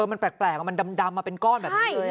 มันแปลกมันดำมาเป็นก้อนแบบนี้เลย